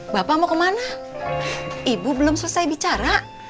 bapak mau kemana ibu belum selesai bicara